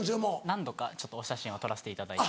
何度かお写真を撮らせていただいて。